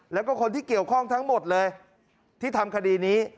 แล้วก็คนที่เกี่ยวข้องทั้งหมดเลยที่ทำคดีนี้